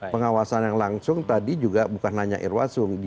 pengawasan yang langsung tadi juga bukan hanya irwasung